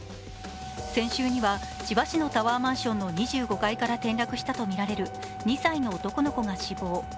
先週には千葉市のタワーマンションの２５階から転落したとみられる２歳の男の子が死亡。